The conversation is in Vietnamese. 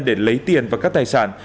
để lấy tiền và các tài sản